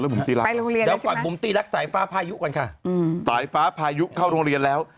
ไปโรงเรียนแล้วใช่ไหมสายฟ้าพายุเข้าโรงเรียนแล้ว